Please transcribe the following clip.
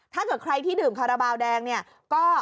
ถ้าเกิดใครที่ดื่มคาราบาลแดงเนี่ยก็